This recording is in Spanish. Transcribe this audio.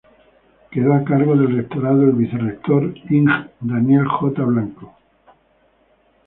Quedó a cargo del Rectorado el Vicerrector Ing. Daniel J. Blanco.